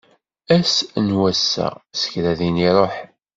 Ass n wass-a, s kra din iruḥ.